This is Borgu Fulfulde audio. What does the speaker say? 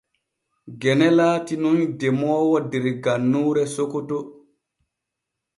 Gene laati nun demoowo der gannuure Sokoto.